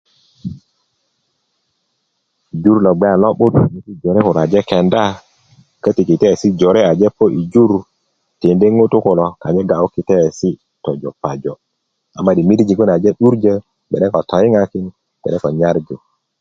jur lo bge a lo 'but ŋutu jore kulo aje kenda köti kitaesi jore aje po i jur tindi ŋutu kulo konye' ga'yu kitaesi pajo ama'di jur aje 'durjo bge'de ko toyiŋin bge'de ko nyarju